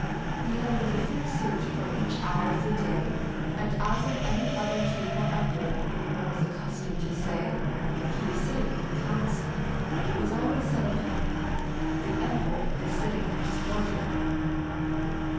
He had a different suit for each hour of the day; and as of any other king or emperor, one is accustomed to say, "he is sitting in council," it was always said of him, "The Emperor is sitting in his wardrobe."